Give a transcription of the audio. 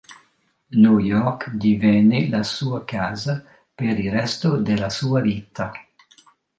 New York divenne la sua casa per il resto della sua vita.